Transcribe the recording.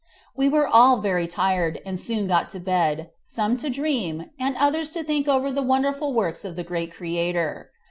We were all very tired, and soon got to bed, some to dream, and others to think over the wonderful works of the great Creator.